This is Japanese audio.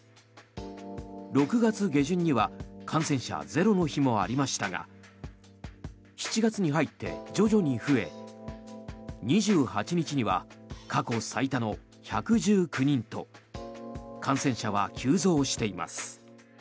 ６月下旬には感染者ゼロの日もありましたが７月に入って徐々に増え２８日には過去最多の１１９人と感染者は急増しています。